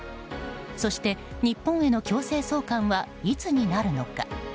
そして、日本への強制送還はいつになるのか。